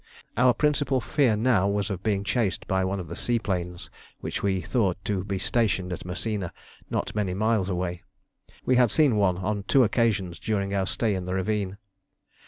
Our principal fear now was of being chased by one of the seaplanes which we thought to be stationed at Mersina, not many miles away. We had seen one on two occasions during our stay in the ravine.